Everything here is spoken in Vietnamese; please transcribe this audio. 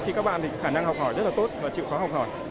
khả năng học hỏi rất là tốt và chịu khó học hỏi